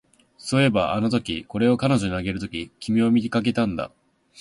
そういえば、あのとき、これを彼女にあげるとき、君を見かけたんだ